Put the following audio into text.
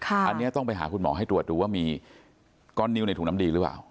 อันนี้ต้องไปหาคุณหมอให้ตรวจดูว่ามีก้อนนิ้วในถุงน้ำดีหรือเปล่า